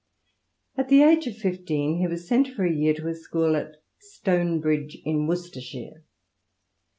* At the age of fifteen he was sent for a year to a school at Stonebridge in Worcestershire.